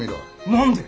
何で？